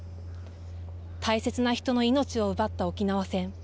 大切な人の命を奪った沖縄戦。